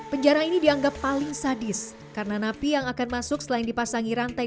penjara ini dianggap paling sadis karena napi yang akan masuk selain dipasangi rantai